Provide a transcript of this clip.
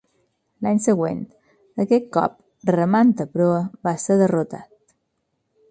L'any següent, aquest cop remant a proa, va ser derrotat.